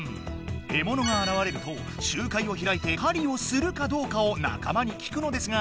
えものがあらわれると集会をひらいて狩りをするかどうかをなかまに聞くのですが